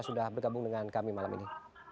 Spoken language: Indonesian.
sudah bergabung dengan kami malam ini